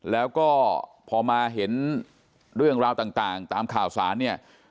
แล้วก็พอมาเห็นเรื่องราวต่างตามข่าวสารเนี่ย